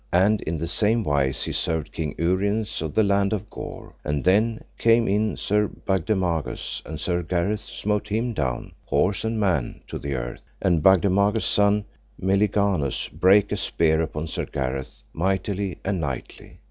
And in the same wise he served King Uriens of the land of Gore. And then came in Sir Bagdemagus, and Sir Gareth smote him down, horse and man, to the earth. And Bagdemagus' son, Meliganus, brake a spear upon Sir Gareth mightily and knightly.